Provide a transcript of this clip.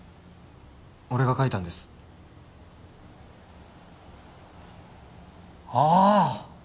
俺が描いたんですああ！